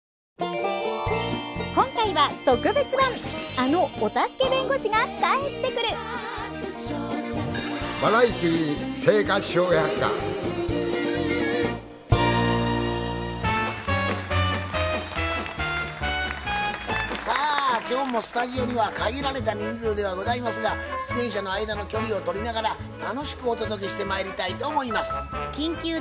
あのお助け弁護士が帰ってくるさあ今日もスタジオには限られた人数ではございますが出演者の間の距離を取りながら楽しくお届けしてまいりたいと思います。